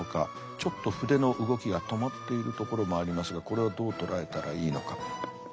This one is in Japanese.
ちょっと筆の動きが止まっているところもありますがこれはどう捉えたらいいのか。